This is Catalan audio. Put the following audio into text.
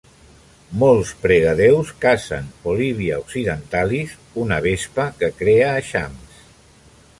Molts pregadéus cacen "Polybia occidentalis", una vespa que crea eixams.